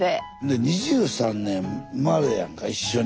２３年生まれやんか一緒に。